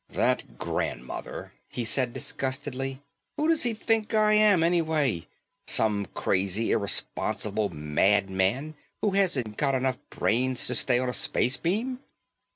"That grandmother," he said disgustedly. "Who does he think I am, anyway? Some crazy irresponsible madman who hasn't got enough brains to stay on a space beam?"